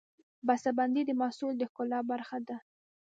بستهبندي د محصول د ښکلا برخه ده.